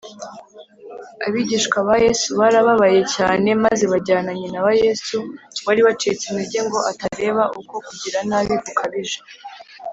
abigishwa ba yesu barababaye cyane maze bajyana nyina wa yesu wari wacitse intege ngo atareba uko kugira nabi gukabije